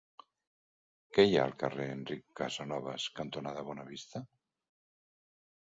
Què hi ha al carrer Enric Casanovas cantonada Bonavista?